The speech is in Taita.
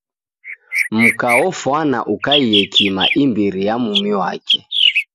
Mka ofwana ukaie kima imbiri ya mumi wake